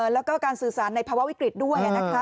แล้วก็การสื่อสารในภาวะวิกฤตด้วย